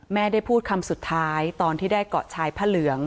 แม่ได้พูดคำสุดท้ายตอนที่ได้เกาะชายผ้าเหลือง